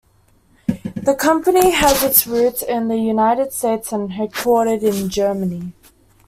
The company has its roots in the United States and is headquartered in Germany.